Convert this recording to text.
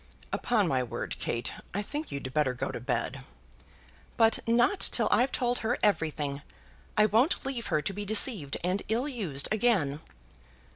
"Upon my word, Kate, I think you'd better go to bed." "But not till I've told her everything. I won't leave her to be deceived and ill used again."